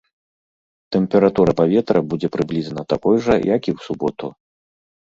Тэмпература паветра будзе прыблізна такой жа, як і ў суботу.